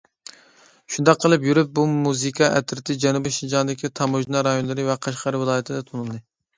شۇنداق قىلىپ يۈرۈپ بۇ مۇزىكا ئەترىتى جەنۇبىي شىنجاڭدىكى تاموژنا رايونلىرى ۋە قەشقەر ۋىلايىتىدە تونۇلدى.